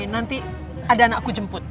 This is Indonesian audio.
nanti ada anakku jemput